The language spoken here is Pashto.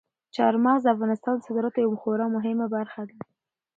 چار مغز د افغانستان د صادراتو یوه خورا مهمه برخه ده.